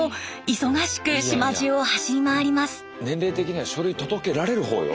年齢的には書類届けられるほうよ。